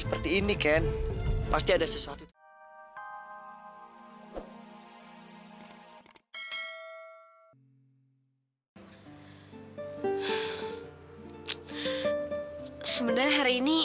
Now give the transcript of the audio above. sekarang udah malem mah